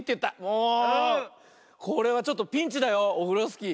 もうこれはちょっとピンチだよオフロスキー。